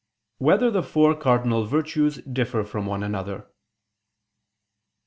4] Whether the Four Cardinal Virtues Differ from One Another?